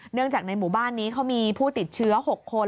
เนื่องจากในหมู่บ้านนี้เขามีผู้ติดเชื้อ๖คน